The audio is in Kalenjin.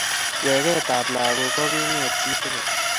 waketab lagook kogingeet chii tugul